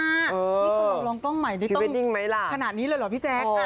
นี่คุณลองกล้องใหม่นี่ต้องขนาดนี้เลยเหรอพี่แจ๊ค